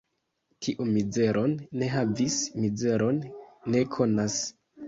Kiu mizeron ne havis, mizeron ne konas.